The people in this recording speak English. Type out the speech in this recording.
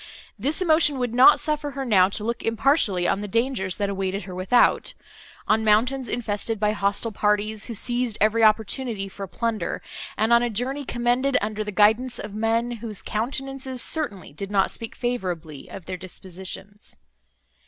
This emotion would not suffer her now to look impartially on the dangers that awaited her without; on mountains infested by hostile parties, who seized every opportunity for plunder; and on a journey commenced under the guidance of men, whose countenances certainly did not speak favourably of their dispositions.